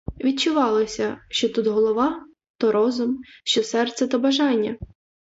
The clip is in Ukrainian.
Відчувалося, що тут що голова — то розум, що серце — то бажання.